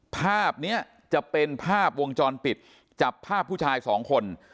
ภาพนี้จะเป็นภาพวงจรปิดจับภาพผู้ชายสองคน